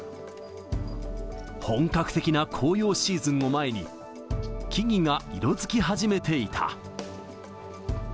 本格的な紅葉シーズンを前に、木々が色づき始めていた。